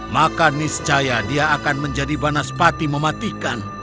maka niscaya dia akan menjadi banas pati mematikan